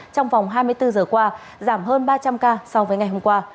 trong vòng hai mươi bốn giờ qua giảm hơn ba trăm linh ca so với ngày hôm qua